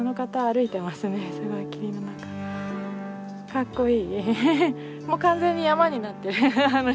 かっこいい。